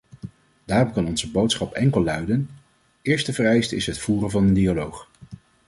Daarom kan onze boodschap enkel luiden: eerste vereiste is het voeren van een dialoog.